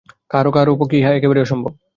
কাহারও কাহারও পক্ষে ইহা একেবারেই অসম্ভব।